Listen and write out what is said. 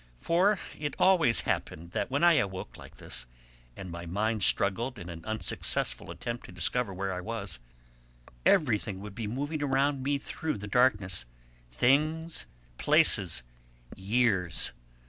For it always happened that when I awoke like this, and my mind struggled in an unsuccessful attempt to discover where I was, everything would be moving round me through the darkness: things, places, years.